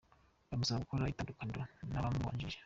Bamusaba gukora itandukaniro n’abamubanjirije.